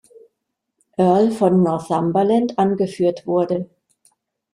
Earl von Northumberland angeführt wurde.